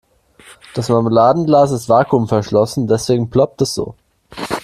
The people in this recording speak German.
Das Marmeladenglas ist vakuumverschlossen, deswegen ploppt es so.